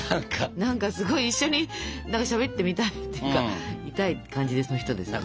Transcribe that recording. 何かすごい一緒にしゃべってみたいっていうかみたい感じの人ですよね。